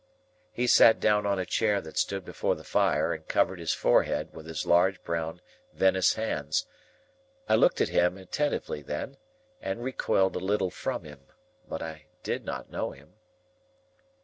He sat down on a chair that stood before the fire, and covered his forehead with his large brown veinous hands. I looked at him attentively then, and recoiled a little from him; but I did not know him.